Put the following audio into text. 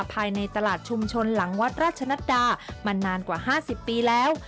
ภายในตลาดชุมชนหลังวัดราชนัดดามานานกว่า๕๐ปีแล้ว